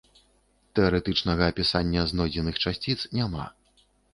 Тэарэтычнага апісання знойдзеных часціц няма.